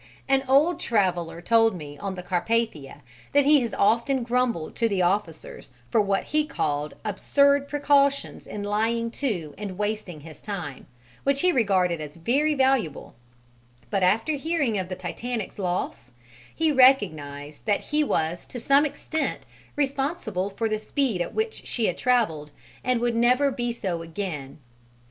An old traveller told me on the Carpathia that he has often grumbled to the officers for what he called absurd precautions in lying to and wasting his time, which he regarded as very valuable; but after hearing of the Titanic's loss he recognized that he was to some extent responsible for the speed at which she had travelled, and would never be so again.